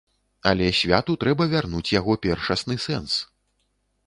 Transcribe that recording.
Але святу трэба вярнуць яго першасны сэнс.